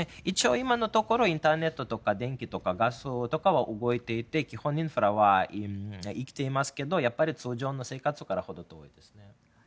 一応、今のところインターネットとか電気とかガスは動いていて基本インフラは生きてますけどやっぱり通常の生活からはほど遠いですね。